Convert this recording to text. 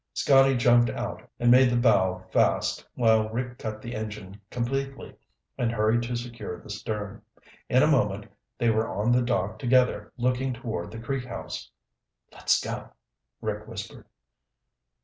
Scotty jumped out and made the bow fast while Rick cut the engine completely and hurried to secure the stern. In a moment they were on the dock together looking toward the Creek House. "Let's go," Rick whispered.